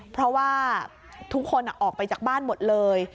เพราะว่าทุกคนออกไปจากบ้านหมดเลย